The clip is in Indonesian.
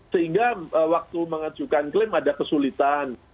sehingga waktu mengajukan klaim ada kesulitan